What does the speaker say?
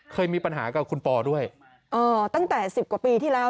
เคยมีปัญหากับคุณปอด้วยเออตั้งแต่สิบกว่าปีที่แล้ว